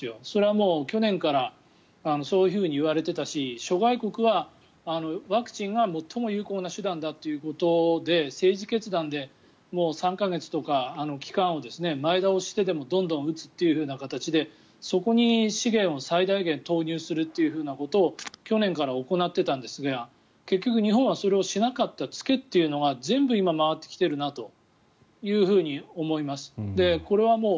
それはもう、去年からそういわれていたし諸外国はワクチンが最も有効な手段だということで政治決断でもう３か月とか期間を前倒ししてでもどんどん打つ形でそこに資源を最大限、投入するということを去年からやっていたんですが結局日本はそれをしなかった付けというのが全部今、回ってきているなと思います。